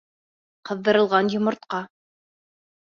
Ҡыҙҙырылған йомортҡа!